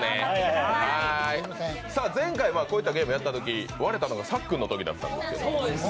前回こういったゲームをやったとき割れたのはさっくんのときだったんです。